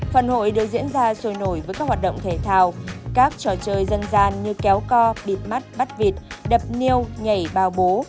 phần hội được diễn ra sôi nổi với các hoạt động thể thao các trò chơi dân gian như kéo co bịt mắt bắt vịt đập niêu nhảy bao bố